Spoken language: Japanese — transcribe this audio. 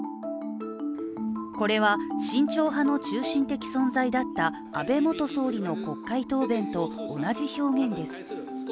これは慎重派の中心的存在だった安倍元総理の国会答弁と同じ表現です。